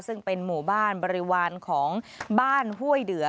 ซึ่งเป็นหมู่บ้านบริวารของบ้านห้วยเดือ